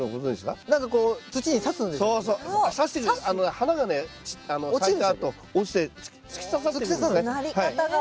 花がね咲いたあと落ちて突き刺さっていくんですね。